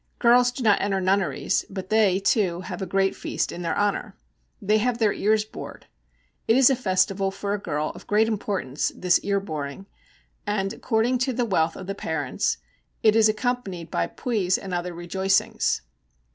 Girls do not enter nunneries, but they, too, have a great feast in their honour. They have their ears bored. It is a festival for a girl of great importance, this ear boring, and, according to the wealth of the parents, it is accompanied by pwès and other rejoicings.